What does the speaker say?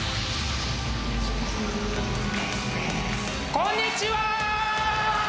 こんにちは！